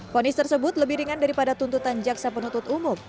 fonis tersebut lebih ringan daripada tuntutan jaksa penuntut umum